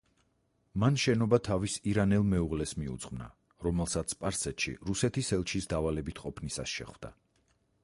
მან შენობა თავის ირანელ მეუღლეს მიუძღვნა, რომელსაც სპარსეთში რუსეთის ელჩის დავალებით ყოფნისას შეხვდა.